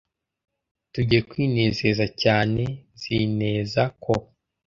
Tugiye kwinezeza cyane. Nzi neza ko.